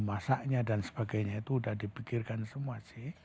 masaknya dan sebagainya itu sudah dipikirkan semua sih